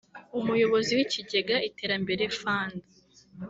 umuyobozi w’Ikigega ‘Iterambere Fund’